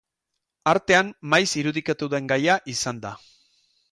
Artean maiz irudikatu den gaia izan da.